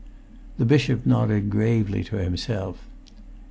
The bishop nodded gravely to himself.